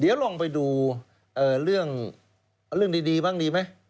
เดี๋ยวลองไปดูเรื่องดีบ้างดีไหม